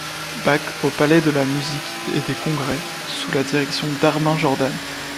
Bach au Palais de la Musique et des Congrès, sous la direction d’Armin Jordan.